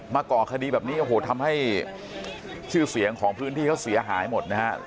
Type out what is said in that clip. ก่อคดีแบบนี้โอ้โหทำให้ชื่อเสียงของพื้นที่เขาเสียหายหมดนะฮะ